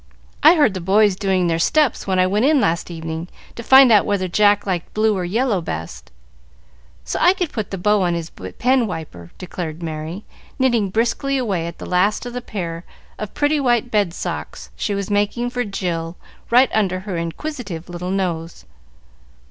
I heard the boys doing their steps when I went in last evening to find out whether Jack liked blue or yellow best, so I could put the bow on his pen wiper," declared Merry, knitting briskly away at the last of the pair of pretty white bed socks she was making for Jill right under her inquisitive little nose.